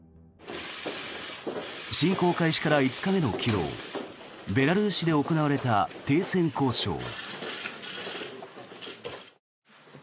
侵攻開始から５日目の昨日ベラルーシで行われた停戦交渉。